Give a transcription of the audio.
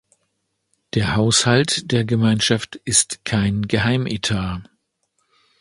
Der Haushalt der Gemeinschaft ist kein Geheimetat.